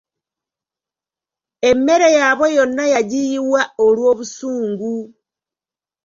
Emmere yaabwe yonna yagiyiwa olw’obusungu.